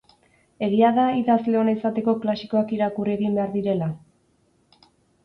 Egia da idazle ona izateko klasikoak irakurri egin behar direla?